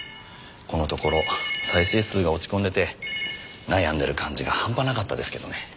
このところ再生数が落ち込んでて悩んでる感じがハンパなかったですけどね。